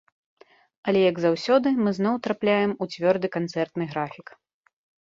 Але як заўсёды, мы зноў трапляем у цвёрды канцэртны графік.